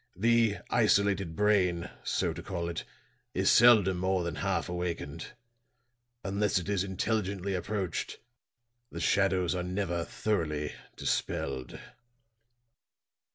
The isolated brain, so to call it, is seldom more than half awakened. Unless it is intelligently approached, the shadows are never thoroughly dispelled."